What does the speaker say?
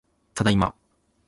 ただいま